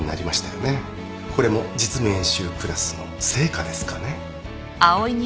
これも実務演習クラスの成果ですかね。